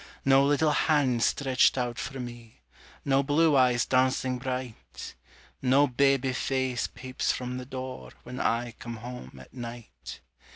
No little hands stretched out for me, No blue eyes dancing bright, No baby face peeps from the door When I come home at night.